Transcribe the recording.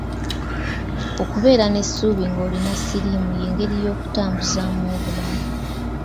Okubeera n’essuubi ng’olina siriimu y’engeri y’okutambuzaamu obulamu.